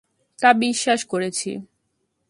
তা বিশ্বাস করেছি।